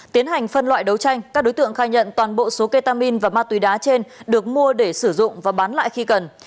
tiến hành phân loại đấu tranh các đối tượng khai nhận toàn bộ số ketamin và ma túy đá trên được mua để sử dụng và bán lại khi cần